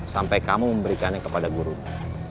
sampai kamu memberikannya kepada gurumu